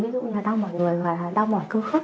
ví dụ như đau mỏi người và đau mỏi cơ khức